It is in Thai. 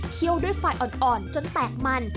ี่ยวด้วยไฟอ่อนจนแตกมัน